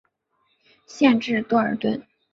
县治多尔顿。